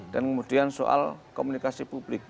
dan kemudian soal komunikasi publik